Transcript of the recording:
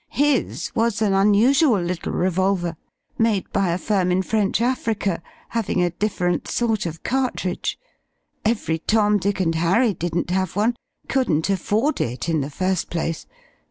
His was an unusual little revolver made by a firm in French Africa, having a different sort of cartridge. Every Tom, Dick, and Harry didn't have one couldn't afford it, in the first place....